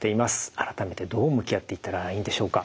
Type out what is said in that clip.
改めてどう向き合っていったらいいんでしょうか？